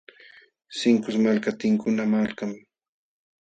Sinkus malka tinkuna malkam.